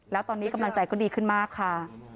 แล้วตอนนี้กำลังใจก็ดีขึ้นมากค่ะ